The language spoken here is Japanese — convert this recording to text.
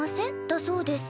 だそうです。